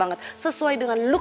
oh nggak keluar akan ditemuk